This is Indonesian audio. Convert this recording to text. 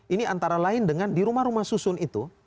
ini antara lain dengan di rumah rumah susun itu